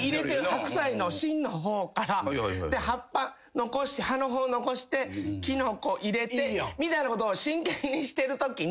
ハクサイの芯の方から葉っぱ残してキノコ入れてみたいなことを真剣にしてるときに。